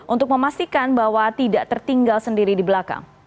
untuk memastikan bahwa tidak tertinggal sendiri di belakang